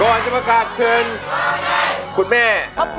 ก่อนจะมากราบเชิญคุณแม่